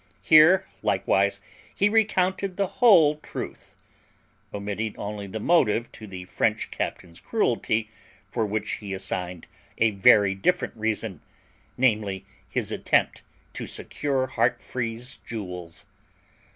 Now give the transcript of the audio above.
Here likewise he recounted the whole truth, omitting only the motive to the French captain's cruelty, for which he assigned a very different reason, namely, his attempt to secure Heartfree's jewels.